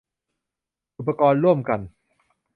อุปกรณ์ร่วมกัน